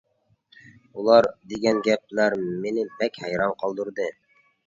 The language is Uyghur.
ئۇلار دېگەن گەپلەر مېنى بەك ھەيران قالدۇردى.